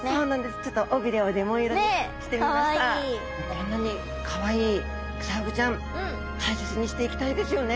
こんなにカワイイクサフグちゃん大切にしていきたいですよね。